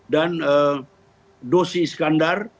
dan doshi iskandar